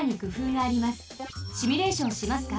シミュレーションしますか？